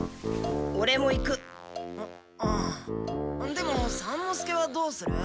でも三之助はどうする？